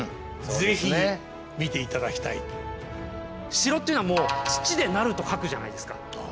城というのはもう土で成ると書くじゃないですか。